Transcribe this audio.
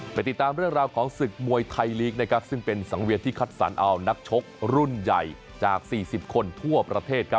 ไปติดตามเรื่องราวของศึกมวยไทยลีกซึ่งเป็นสังเวียที่คัดสรรเอานักชกรุ่นใหญ่จากสี่สิบคนทั่วประเทศ